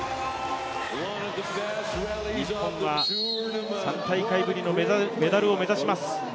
日本は３大会ぶりのメダルを目指します。